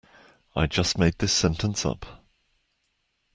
I just made this sentence up.